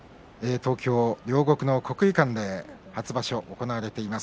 東京・両国の国技館で初場所が行われています。